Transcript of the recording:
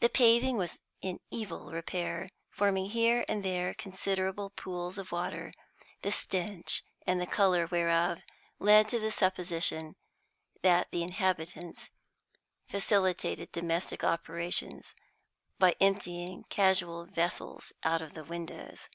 The paving was in evil repair, forming here and there considerable pools of water, the stench and the colour whereof led to the supposition that the inhabitants facilitated domestic operations by emptying casual vessels out of the windows.